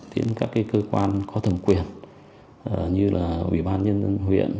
đến các cơ quan có thẩm quyền như là ủy ban nhân dân huyện